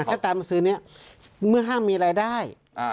ถ้าตามมาซื้อนี้เมื่อห้ามมีรายได้